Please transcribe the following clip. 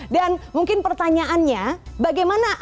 dan mungkin pertanyaan yang saya ingin mengucapkan